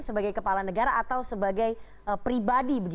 sebagai kepala negara atau sebagai pribadi